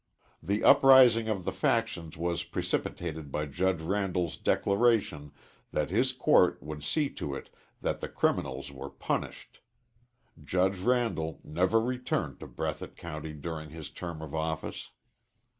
The uprising of the factions was precipitated by Judge Randall's declaration that his court would see to it that the criminals were punished. Judge Randall never returned to Breathitt County during his term of office.